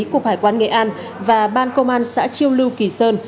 cục hải quan nghệ an và ban công an xã chiêu lưu kỳ sơn